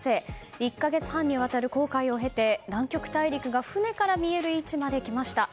１か月半にわたる航海を経て南極大陸が舩から見える位置まで来ました。